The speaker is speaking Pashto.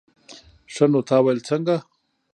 ښه نو تا ويل څنگه.